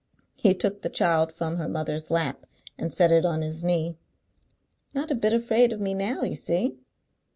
He took the child from her mother's lap and set it on his knee. "Not a bit afraid of me now, you see.